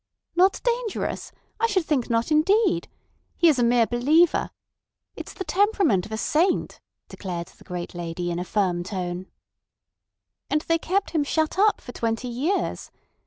"Not dangerous—I should think not indeed. He is a mere believer. It's the temperament of a saint," declared the great lady in a firm tone. "And they kept him shut up for twenty years.